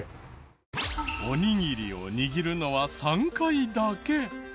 おにぎりを握るのは３回だけ。